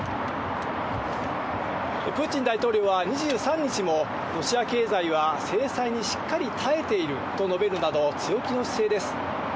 プーチン大統領は２３日もロシア経済は制裁にしっかり耐えていると述べるなど、強気の姿勢です。